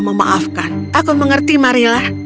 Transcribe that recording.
memaafkan aku mengerti marilla